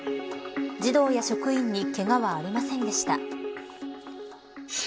児童や職員にけがは、ありませんでした。